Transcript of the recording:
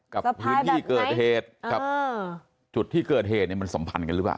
กับพื้นที่เกิดเหตุกับจุดที่เกิดเหตุเนี่ยมันสัมพันธ์กันหรือเปล่า